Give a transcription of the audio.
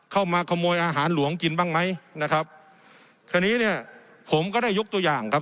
เข้ามาขโมยอาหารหลวงกินบ้างไหมนะครับคราวนี้เนี่ยผมก็ได้ยกตัวอย่างครับ